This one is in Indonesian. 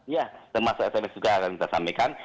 ya termasuk sms juga akan disampaikan